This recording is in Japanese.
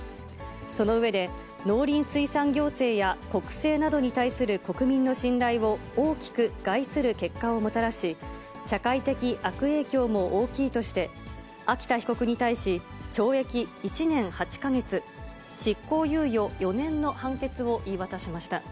その上で、農林水産行政や国政などに対する国民の信頼を大きく害する結果をもたらし、社会的悪影響も大きいとして、秋田被告に対し、懲役１年８か月、執行猶予４年の判決を言い渡しました。